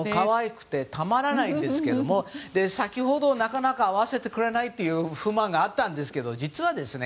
可愛くてたまらないんですが先ほど、なかなか会わせてくれないという不満があったんですが実はですね